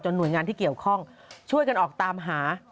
หน่วยงานที่เกี่ยวข้องช่วยกันออกตามหา